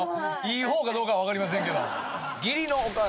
いい方かどうかはわかりませんけど。